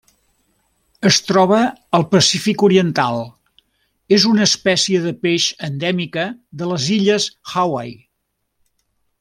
Es troba al Pacífic oriental: és una espècie de peix endèmica de les Illes Hawaii.